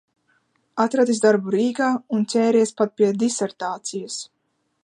Atradis darbu Rīgā un ķēries pat pie disertācijas.